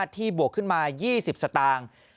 บวกขึ้นมา๒๐สตางค์